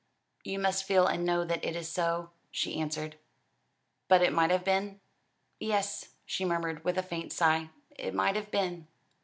"You must feel and know that it is so," she answered. "But it might have been?" "Yes," she murmured with a faint sigh, "it might have been."